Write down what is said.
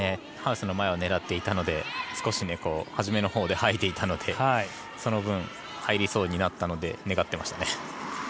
ハウスの前を狙っていたので初めのほうで掃いていたのでその分入りそうになったので願ってましたね。